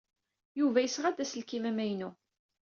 Yuba yesɣa-d aselkim amaynu.